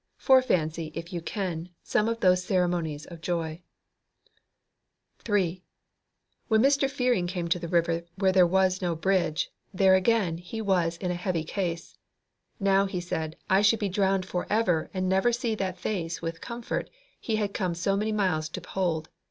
Fore fancy, if you can, some of those ceremonies of joy. 3. When Mr. Fearing came to the river where was no bridge, there again he was in a heavy case. Now, he said, he should be drowned for ever and never see that Face with comfort he had come so many miles to behold.